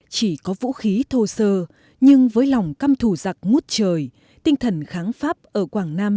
chỉ có vũ khí thô sơ nhưng với lòng căm thù giặc ngút trời tinh thần kháng pháp ở quảng nam